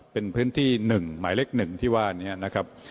เป็นพื้นที่หนึ่งหมายเล็กหนึ่งที่ว่านี้นะครับ